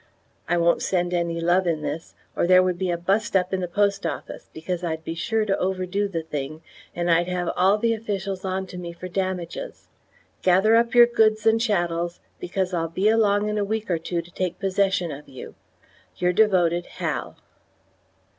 I won't send any love in this, or there would be a "bust up" in the post office, because I'd be sure to overdo the thing, and I'd have all the officials on to me for damages. Gather up your goods and chattels, because I'll be along in a week or two to take possession of you. Yr devoted Hal.